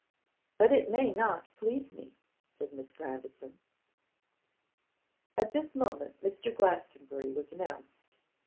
'But it may not please me,' said Miss Grandison. At this moment Mr. Glastonbury was announced.